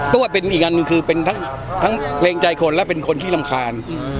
ว่าเป็นอีกอันหนึ่งคือเป็นทั้งเกรงใจคนและเป็นคนที่รำคาญ